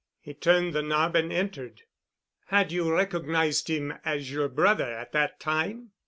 "He turned the knob and entered." "Had you recognized him as your brother at that time?"